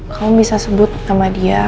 kamu bisa sebut sama dia